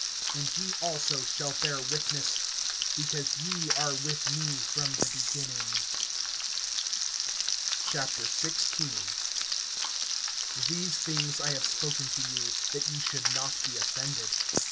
(27)And ye also shall bear witness, because ye are with me from the beginning. XVI. THESE things I have spoken to you, that ye should not be offended.